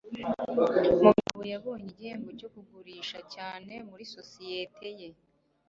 Mugabo yabonye igihembo cyo kugurisha cyane muri sosiyete ye.